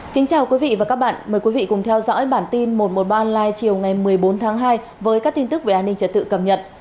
kính chào quý vị và các bạn mời quý vị cùng theo dõi bản tin một trăm một mươi ba online chiều ngày một mươi bốn tháng hai với các tin tức về an ninh trật tự cầm nhật